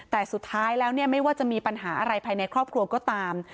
แต่สุดท้ายแล้วไม่ว่าจะมีปัญหาอะไรภายในครอบครัวก็ตาม